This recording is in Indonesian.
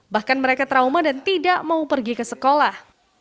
bahkan mereka trauma dan tidak mau pergi ke sekolah